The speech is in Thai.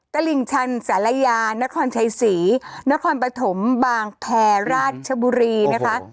๗ตะริงชันสรายานครชายศรีนครปฐมบางแถราชชะบุรีนะคะ